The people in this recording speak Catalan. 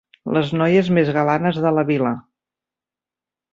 Les noies més galanes de la vila.